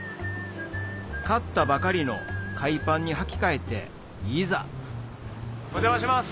買ったばかりの海パンにはき替えていざお邪魔します！